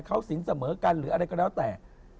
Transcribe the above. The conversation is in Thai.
เขาสินเสมอกันหรืออะไรก็แล้วแต่